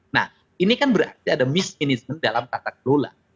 nah ini kan berarti ada misinisme dalam tata kelola